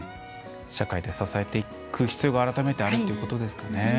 社会で支えていく必要が改めてあるということですね。